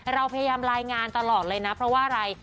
เราพยายามรายงานตลอดเลยนะเพราะว่าอะไร